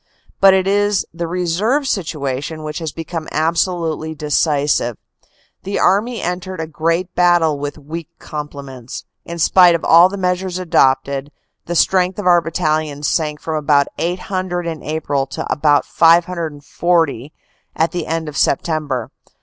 " But it is the reserve situation which has become ab solutely decisive. The Army entered the great battle with weak complements. In spite of all the measures adopted, the strength of our battalions sank from about 800 in April to about 540 at the end of September.